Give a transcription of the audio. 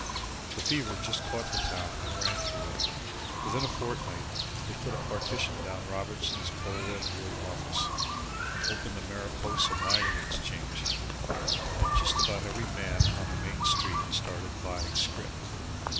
The fever just caught the town and ran through it! Within a fortnight they put a partition down Robertson's Coal and Wood Office and opened the Mariposa Mining Exchange, and just about every man on the Main Street started buying scrip.